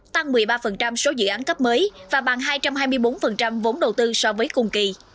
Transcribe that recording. tăng một mươi ba số dự án cấp mới và bằng hai trăm hai mươi bốn vốn đầu tư so với cùng kỳ